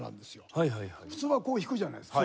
普通はこう弾くじゃないですか。